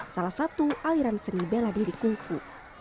salah satu aliran seni bela diri kungfu